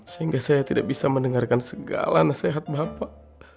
sehingga saya tidak bisa mendengarkan segala nasihat bapak